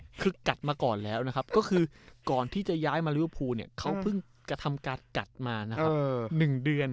ก็คือกัดมาก่อนแล้วนะครับก็คือก่อนที่จะย้ายมาริวพูนเค้าเพิ่งทำการกัดมานะครับ